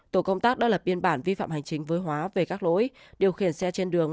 tổ công tác đã lập biên bản vi phạm hành chính với hóa về các lỗi điều khiển xe trên đường